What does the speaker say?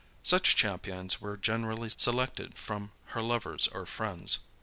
Such champions were generally selected from her lovers or friends.